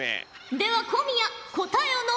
では小宮答えを述べよ！